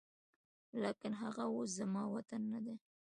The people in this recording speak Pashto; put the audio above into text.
لاکن هغه اوس زما وطن نه دی